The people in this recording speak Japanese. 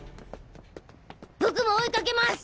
僕も追いかけます！